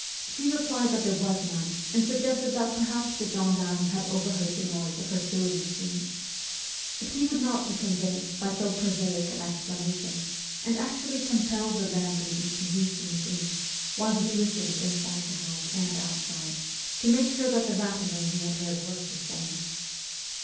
She replied that there was none, and suggested that perhaps the gendarme had overheard the noise of her sewing machine. But he would not be convinced by 256 MEMOIRS OF A REVOLUTIONIST so prosaic an explanation, and actually compelled the landlady to use the machine, while he listened inside the house and outside, to make sure that the rattling he had heard was the same.